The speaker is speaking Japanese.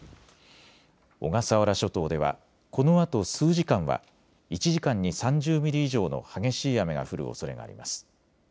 小笠原諸島ではこのあと数時間は１時間に３０ミリ以上の激しい雨が降るおそれがあります。